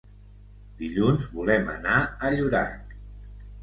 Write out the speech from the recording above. Dilluns volem anar a Llorac.